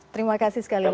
terima kasih sekali lagi